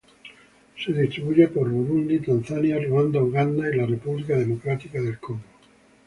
Se distribuye por Burundi, Tanzania, Ruanda, Uganda y la República Democrática del Congo.